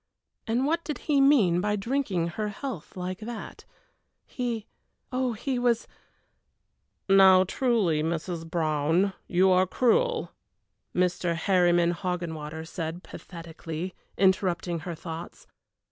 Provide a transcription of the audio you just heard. And what did he mean by drinking her health like that? He oh, he was "Now, truly, Mrs. Brown, you are cruel," Mr. Herryman Hoggenwater said, pathetically, interrupting her thoughts.